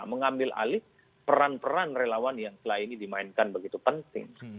mengambil alih peran peran relawan yang setelah ini dimainkan begitu penting